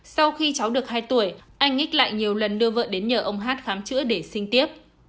sau khi cháu được hai tuổi anh nhích lại nhiều lần đưa vợ đến nhờ ông hát khám chữa để sinh tiếp